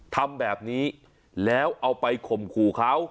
ทำแบบนี้แล้วเอาไปข่มขู่เขา